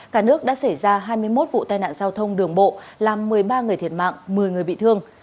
cả nước đã xảy ra hai mươi một vụ tai nạn giao thông đường bộ làm một mươi ba người thiệt mạng một mươi người bị thương